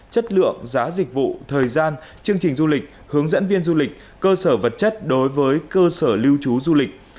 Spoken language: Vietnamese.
chất lượng giá dịch vụ thời gian chương trình du lịch hướng dẫn viên du lịch cơ sở vật chất đối với cơ sở lưu trú du lịch